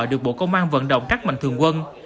được bộ công an vận động các mạnh thường quân